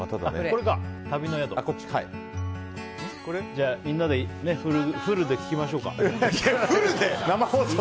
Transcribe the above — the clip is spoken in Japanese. じゃあみんなでフルで聴きましょうか。